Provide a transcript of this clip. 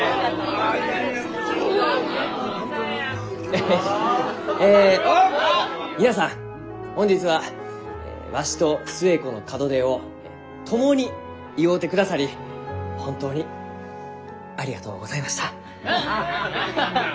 エヘッえ皆さん本日はわしと寿恵子の門出を共に祝うてくださり本当にありがとうございました。